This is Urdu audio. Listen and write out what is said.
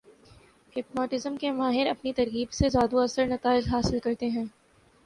ہپناٹزم کے ماہر اپنی ترغیب سے جادو اثر نتائج حاصل کرتے ہیں